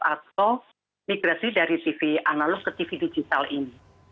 atau migrasi dari tv analog ke tv digital ini